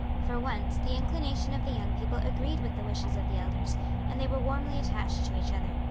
For once the inclination of the young people agreed with the wishes of the elders, and they were warmly attached to each other.